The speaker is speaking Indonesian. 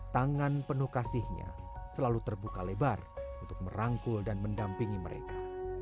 tangan penuh kasihnya selalu terbuka lebar untuk merangkul dan mendampingi mereka